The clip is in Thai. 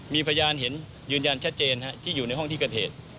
มีพยานเห็นยืนยันชัดเจนที่อยู่ในห้องที่เกิดเหตุ